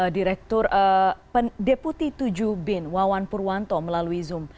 direktur deputi tujuh bin wawan purwanto melalui zoom